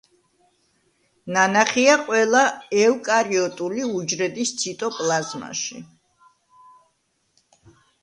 ნანახია ყველა ეუკარიოტული უჯრედის ციტოპლაზმაში.